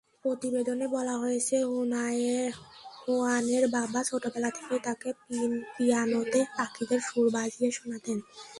প্রতিবেদনে বলা হয়েছে, হুয়ানের বাবা ছোটবেলা থেকেই তাঁকে পিয়ানোতে পাখিদের সুর বাজিয়ে শোনাতেন।